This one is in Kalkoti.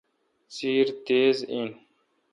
سیر تیز این۔